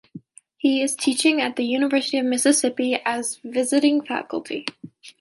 He is teaching at the University of Mississippi as visiting faculty.